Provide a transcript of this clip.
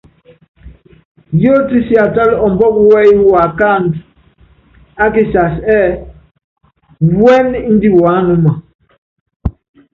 Yótí siatála ɔmbɔ́ku wɛ́yí waakáandu ákisass, ɛ́ɛ́ wúɛ́nɛ indi wuánúma.